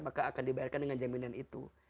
maka akan dibayarkan dengan jaminan itu